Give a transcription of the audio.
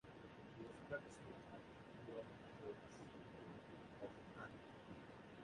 He was previously a titular Prince of Antioch.